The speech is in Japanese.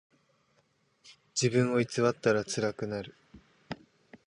自分を偽ったらつらくなる。